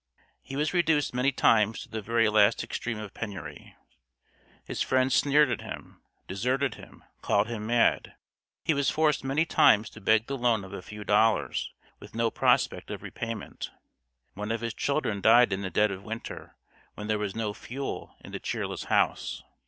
He was reduced many times to the very last extreme of penury. His friends sneered at him, deserted him, called him mad. He was forced many times to beg the loan of a few dollars, with no prospect of repayment. One of his children died in the dead of winter, when there was no fuel in the cheerless house.